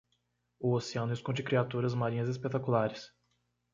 O oceano esconde criaturas marinhas espetaculares